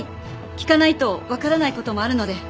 聞かないと分からないこともあるので。